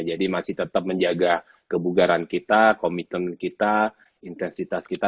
jadi masih tetap menjaga kebugaran kita komitmen kita intensitas kita